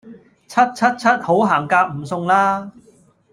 柒柒柒好行夾唔送啦